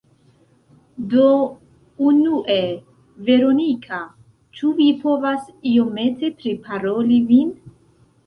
Do unue, Veronika, ĉu vi povas iomete priparoli vin?